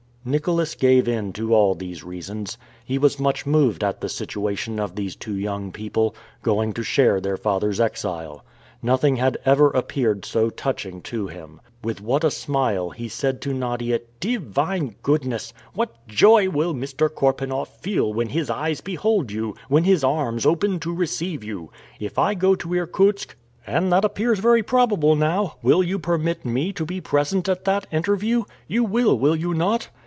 Nicholas gave in to all these reasons. He was much moved at the situation of these two young people, going to share their father's exile. Nothing had ever appeared so touching to him. With what a smile he said to Nadia: "Divine goodness! what joy will Mr. Korpanoff feel, when his eyes behold you, when his arms open to receive you! If I go to Irkutsk and that appears very probable now will you permit me to be present at that interview! You will, will you not?"